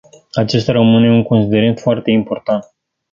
Acesta rămâne un considerent foarte important.